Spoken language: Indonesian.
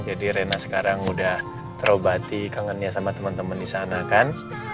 jadi rena sekarang udah terobati kangennya sama teman teman di sana kan